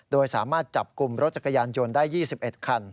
โดยสามารถจับกลุ่มรถจักรยานยนต์ได้๒๑คัน